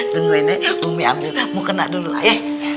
tungguin ya ummi ambil mau kena dulu ayo